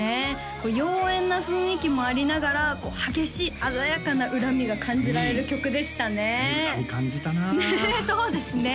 こう妖艶な雰囲気もありながら激しい鮮やかな怨みが感じられる曲でしたね怨み感じたなねっそうですね